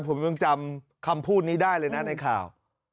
ผมยังจำคำพูดนี้ได้เลยนะในข่าว